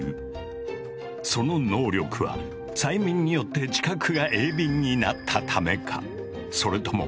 その能力は催眠によって知覚が鋭敏になったためか？